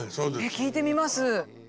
聴いてみます。